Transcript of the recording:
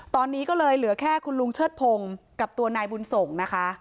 ตอนนี้ก็เลยเหลือแค่คุณลุงเชิดพงศ์กับตัวนายบุญส่งนะคะ